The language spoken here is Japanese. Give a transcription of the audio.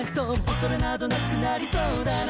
「恐れなどなくなりそうだな」